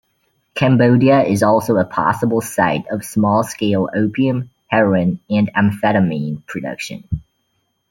Cambodia is also a possible site of small-scale opium, heroin, and amphetamine production.